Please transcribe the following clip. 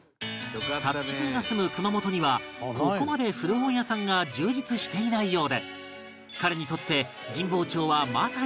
颯喜君が住む熊本にはここまで古本屋さんが充実していないようで彼にとって神保町はまさに夢の街